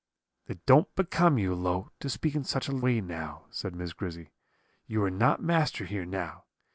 "'It don't become you, Low, to speak in such a way now,' said Miss Grizzy, 'you are not master here, now.